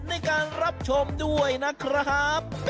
ในการรับชมด้วยนะครับ